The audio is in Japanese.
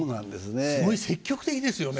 すごい積極的ですよね。